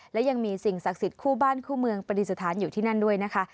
และยังมีสิ่งศักดิ์สิทธิ์คู่บ้านคู่เมืองปฏิสถานอยู่ที่นั่นด้วยนะคะ